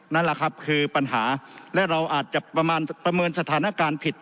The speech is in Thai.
นั่นแหละครับคือปัญหาและเราอาจจะประเมินสถานการณ์ผิด